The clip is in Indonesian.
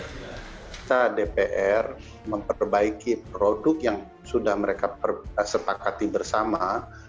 kita dpr memperbaiki produk yang sudah mereka sepakati bersama